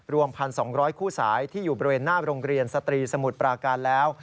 รวม๑๒๐๐คู่สายที่อยู่บริเวณหน้าโรงเรียนสตรีสมุทรปราการแล้ว